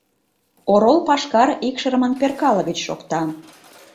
Орол пашкар икшырымын перкалыгыч шокта.